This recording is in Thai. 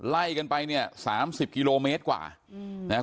ไล่กันไปเนี่ยสามสิบกิโลเมตรกว่าอืมนะฮะ